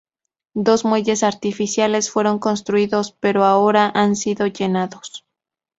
Dos muelles artificiales fueron construidos, pero ahora han sido llenados.